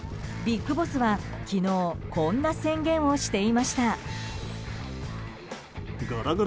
ビッグボスは昨日こんな宣言をしていました。